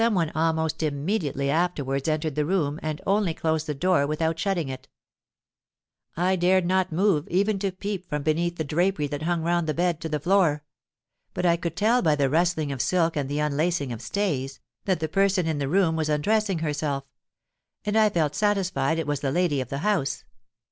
"Some one almost immediately afterwards entered the room, and only closed the door without shutting it. I dared not move even to peep from beneath the drapery that hung round the bed to the floor: but I could tell by the rustling of silk and the unlacing of stays, that the person in the room was undressing herself—and I felt satisfied it was the lady of the house.